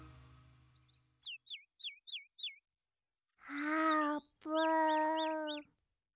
あーぷん。